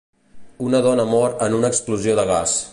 Una dona mor en una explosió de gas.